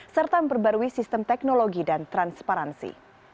serta memperbarui sistem teknologi dan transparansi